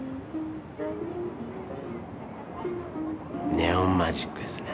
ネオンマジックですね。